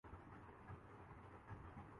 میرے دل میں آپ کی بہت قدر ہے۔